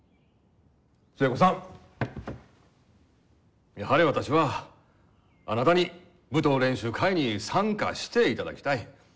寿恵子さんやはり私はあなたに舞踏練習会に参加していただきたい。